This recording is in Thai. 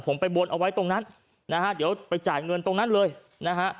ผมไปบนเอาไว้ตรงนั้นนะฮะเดี๋ยวไปจ่ายเงินตรงนั้นเลยนะฮะ